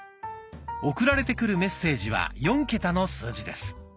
送られてくるメッセージは４桁の数字です。